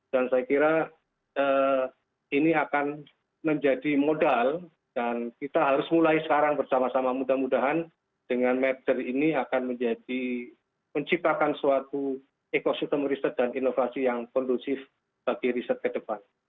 dan saya kira ini akan menjadi modal dan kita harus mulai sekarang bersama sama mudah mudahan dengan merger ini akan menjadi menciptakan suatu ekosistem riset dan inovasi yang kondusif bagi riset ke depan